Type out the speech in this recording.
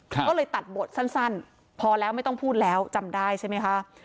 ก็เลยตัดบทสั้นพอแล้วไม่ต้องพูดแล้วจำได้ใช่ไหมคะ